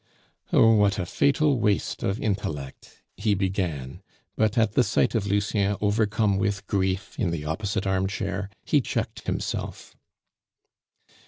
"Oh, what a fatal waste of intellect!" he began. But at the sight of Lucien overcome with grief in the opposite armchair, he checked himself.